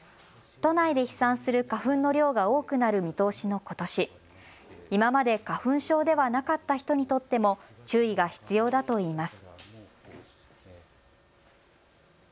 都内で飛散する花粉の量が多くなる見通しのことし、今まで花粉症ではなかった人にとっても注意が必要だといいます。